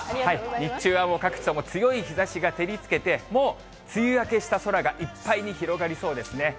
日中はもう、各地とも強い日ざしが照りつけて、もう梅雨明けしたそれがいっぱいに広がりそうですね。